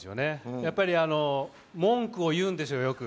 やっぱり、文句を言うんですよ、よく。